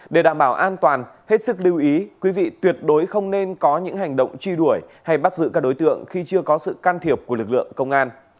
để đảm bảo an toàn hết sức lưu ý quý vị tuyệt đối không nên có những hành động truy đuổi hay bắt giữ các đối tượng khi chưa có sự can thiệp của lực lượng công an